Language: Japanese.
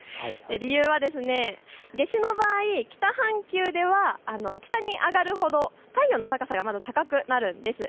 理由は夏至の場合、北半球では北に上がるほど太陽の高さが高くなるんです。